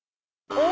お！